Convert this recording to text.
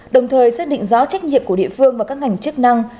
đồng thời xác định rõ trách nhiệm của địa phương và các ngành chức năng